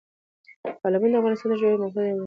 تالابونه د افغانستان د جغرافیایي موقیعت یو نتیجه ده.